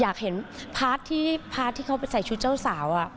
อยากเห็นส่วนที่เขาไปใส่ชุดเจ้าสาว